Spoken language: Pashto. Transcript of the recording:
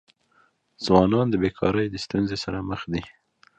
ځوانان د بېکاری د ستونزي سره مخ دي.